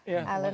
ya terima kasih